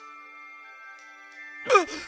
あっ！